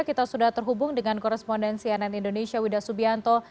kita sudah terhubung dengan korespondensi ann indonesia wida subianto